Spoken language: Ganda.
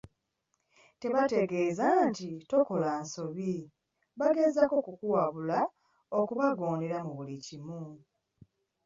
Tebategeeza nti tokola nsobi, bagezaako kukuwabula okubagondera mu buli kimu.